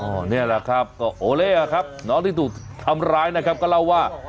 นี่แหละครับก็โอเล่ะครับน้องที่ถูกทำร้ายนะครับก็เล่าว่า